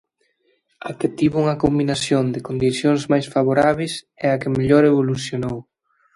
A que tivo unha combinación de condicións máis favorábeis e a que mellor evolucionou.